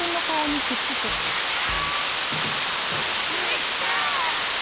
できたー！